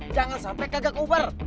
jangan sampai kagak kuber